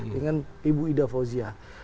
dengan ibu ida fauzia